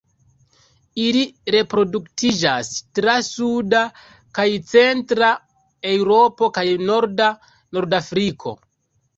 Ili reproduktiĝas tra suda kaj centra Eŭropo kaj norda Nordafriko.